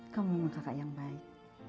kamu kakak yang baik